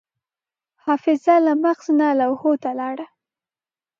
حافظه له مغز نه لوحو ته لاړه.